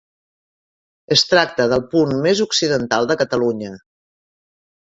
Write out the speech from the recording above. Es tracta del punt més occidental de Catalunya.